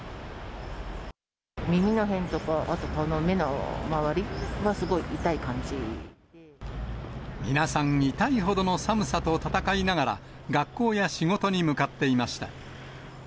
耳の辺とか、皆さん、痛いほどの寒さと戦いながら、学校や仕事に向かっていました。